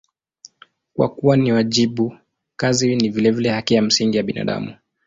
Kwa kuwa ni wajibu, kazi ni vilevile haki ya msingi ya binadamu.